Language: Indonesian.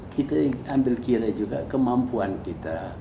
kita ambil kira juga kemampuan kita